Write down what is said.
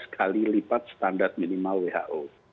dua belas kali lipat standar minimal who